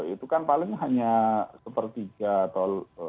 itu kan paling hanya sepertiga atau